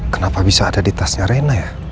kenapa bisa ada di tasnya rena ya